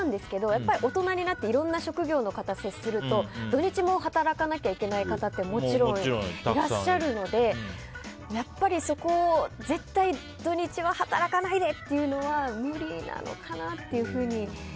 やっぱり大人になっていろんな職業の方に接すると土日も働かなきゃいけない方ってもちろんいらっしゃるのでやっぱり、そこを絶対、土日は働かないで！っていうのは無理なのかなというふうに。